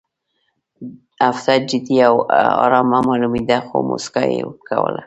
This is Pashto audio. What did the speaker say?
هغه جدي او ارامه معلومېده خو موسکا یې کوله